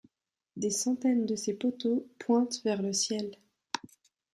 Des centaines de ces poteaux pointent vers le ciel.